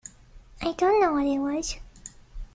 I don't know what it was.